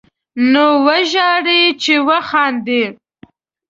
نو وژاړئ، چې وخاندئ